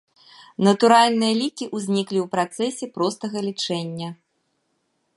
Натуральныя лікі ўзніклі ў працэсе простага лічэння.